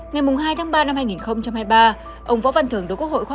ngày hai ba hai nghìn hai mươi ba ông võ văn thường đối quốc hội khóa một mươi năm